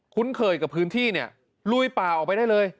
คุ้นเคยกับพื้นที่เนี่ยลุยป่าออกไปได้เลย